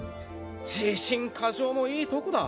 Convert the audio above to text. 自信過剰もいいとこだ。